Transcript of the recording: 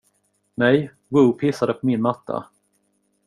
Nej, Woo pissade på min matta.